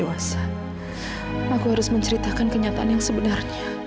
aku harus menceritakan kenyataan yang sebenarnya